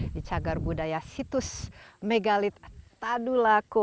di cagar budaya situs megalit tadulako